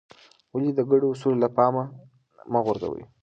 ولې د ګډو اصولو له پامه مه غورځوې؟